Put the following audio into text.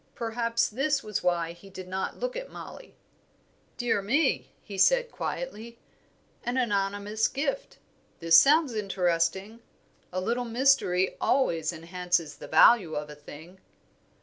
Perhaps this was why he did not look at Mollie. "Dear me," he said, quietly. "An anonymous gift! This sounds interesting. A little mystery always enhances the value of a thing."